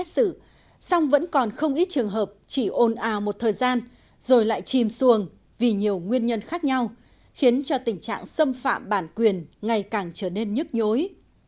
trong vẫn còn không ít trường hợp chỉ ồn ào một thời gian rồi lại chìm xuồng vì nhiều nguyên nhân khác nhau khiến cho tình trạng xâm phạm bản quyền ngày càng trở nên nhức nhối